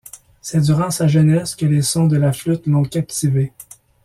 C'est durant sa jeunesse que les sons de la flûte l'ont captivé.